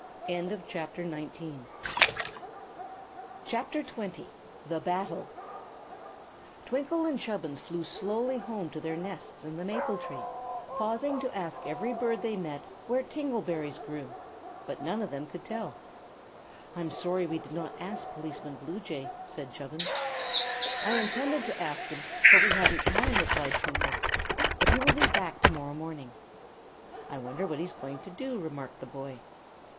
[CHAPTER XX] The Battle Twinkle and Chubbins flew slowly home to their nests in the maple tree, pausing to ask every bird they met where tingle berries grew. But none of them could tell. "I'm sorry we did not ask Policeman Bluejay," said Chubbins. "I intended to ask him, but we hadn't time," replied Twinkle. "But he will be back to morrow morning." "I wonder what he's going to do," remarked the boy.